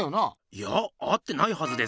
いや会ってないはずです。